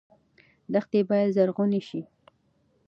دښتې باید زرغونې شي.